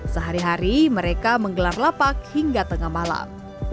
sehari hari mereka menggelar lapak hingga tengah malam